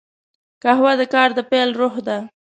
قهوه د کار د پیل روح ده